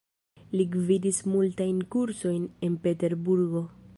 Li gvidis multajn kursojn en Peterburgo.